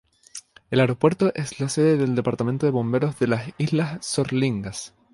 El aeropuerto es la sede del departamento de bomberos de las Islas Sorlingas.